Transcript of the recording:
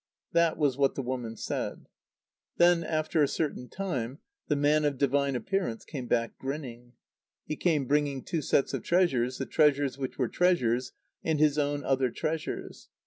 That was what the woman said. Then, after a certain time, the man of divine appearance came back grinning. He came bringing two sets of treasures, the treasures which were treasures and his own other treasures.